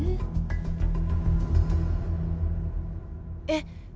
えっ？